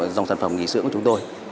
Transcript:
dòng sản phẩm nghỉ sưỡng của chúng tôi